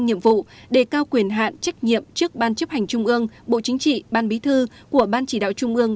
nhiệm vụ đề cao quyền hạn trách nhiệm trước ban chấp hành trung ương bộ chính trị ban bí thư của ban chỉ đạo trung ương